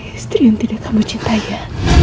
istri yang tidak kamu cintai